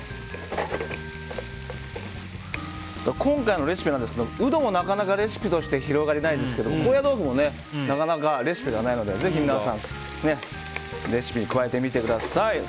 今回のレシピなんですがウドもなかなかレシピとして広がりがないですが高野豆腐もなかなかレシピがないのでぜひ皆さんレシピに加えてみてください。